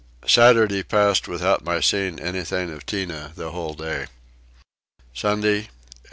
Saturday passed without my seeing anything of Tinah the whole day. Sunday 8.